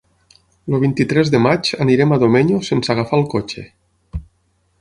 El vint-i-tres de maig anirem a Domenyo sense agafar el cotxe.